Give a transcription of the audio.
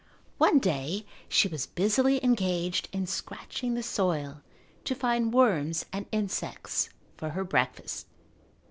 One day she was busily engaged in scratching the soil to find worms and insects for her breakfast.